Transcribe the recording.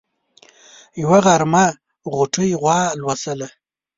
يوه غرمه غوټۍ غوا لوشله.